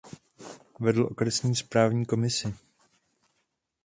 Vedl okresní správní komisi.